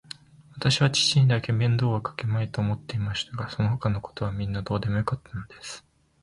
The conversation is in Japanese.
わたしは父にだけは面倒をかけまいと思っていましたが、そのほかのことはみんなどうでもよかったのです。